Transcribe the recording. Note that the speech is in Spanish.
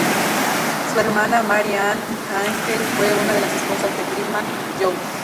Su hermana, Mary Ann Angell fue una de las esposas de Brigham Young.